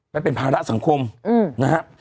ไปเป็นภาระสังคมนะครับ